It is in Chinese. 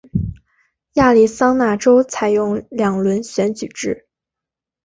亚利桑那州采用两轮选举制。